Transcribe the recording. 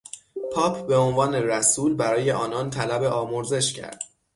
پاپ به عنوان رسول برای آنان طلب آمرزش کرد.